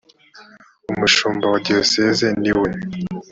umushumba wa diyosezi ni we